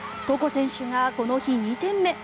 床選手がこの日２点目。